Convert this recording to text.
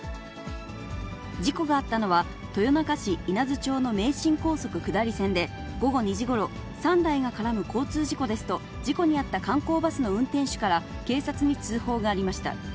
事故があったのは、豊中市稲津町の名神高速下り線で、午後２時ごろ、３台が絡む交通事故ですと、事故に遭った観光バスの運転手から警察に通報がありました。